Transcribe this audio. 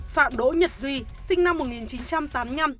phạm đỗ nhật duy sinh năm một nghìn chín trăm tám mươi năm